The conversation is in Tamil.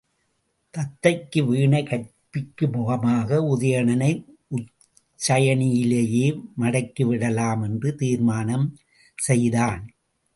தத்தைக்கு வீணை கற்பிக்குமுகமாக உதயணனை உச்சயினியிலேயே மடக்கிவிடலாம் என்று தீர்மானம் செய்தான்.